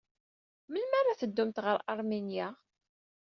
Melmi ara teddumt ɣer Aṛminya?